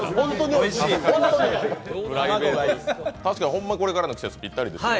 確かにこれからの季節ぴったりですね。